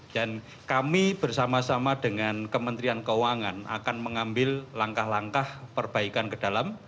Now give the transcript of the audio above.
dan kami bersama sama dengan kementerian keuangan akan mengambil langkah langkah perbaikan ke dalam